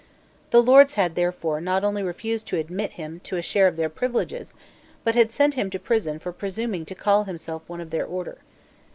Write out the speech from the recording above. The Lords had, therefore, not only refused to admit him to a share of their privileges, but had sent him to prison for presuming to call himself one of their order.